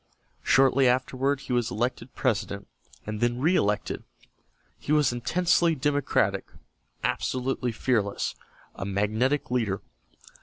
Shortly afterward he was elected President, and then reëlected. He was intensely democratic, absolutely fearless, a magnetic leader.